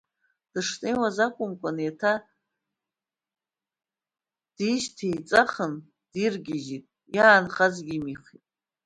Дыснеиуаз акәымкәаны, еиҭа дишьҭеиҵахын диргьежьт, иаанхазгьы имихт.